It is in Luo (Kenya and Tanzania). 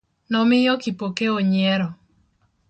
Nomiyo Kipokeo nyiero.